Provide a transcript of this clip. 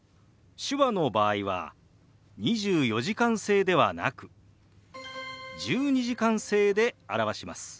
手話の場合は２４時間制ではなく１２時間制で表します。